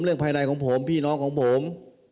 เรื่องภายในของผมพี่น้องของผม